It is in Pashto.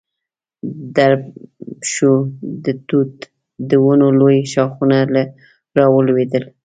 درب شو، د توت د ونو لوی ښاخونه را ولوېدل.